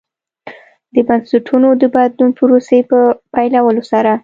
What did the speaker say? د بنسټونو د بدلون پروسې په پیلولو سره.